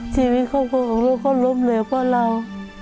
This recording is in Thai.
ชีวิตของเราก็ล้มเลยเพราะเรา